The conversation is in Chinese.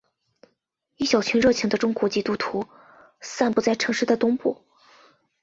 一小群热情的中国人基督徒散布在城市的东部。